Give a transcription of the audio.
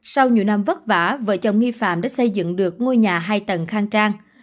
sau nhiều năm vất vả vợ chồng nghi phạm đã xây dựng được ngôi nhà hai tầng khang trang